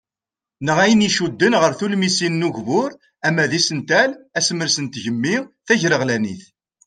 Neɣ ayen iccuden ɣer tulmisin n ugbur ama d isental, asemres n tgemmi ,tagreɣlanit.